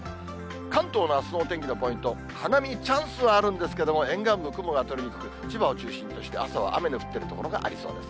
関東のあすのお天気のポイント、花見チャンスはあるんですけれども、沿岸部、雲が取れにくく、千葉を中心として、朝は雨の降ってる所がありそうです。